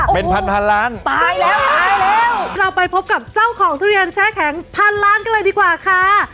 เป็นพันพันล้านตายแล้วตายแล้วเราไปพบกับเจ้าของทุเรียนแช่แข็งพันล้านกันเลยดีกว่าค่ะ